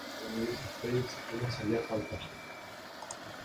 Ellas eran hijas de Manuel Diez Canseco Corbacho, hermano de doña Francisca.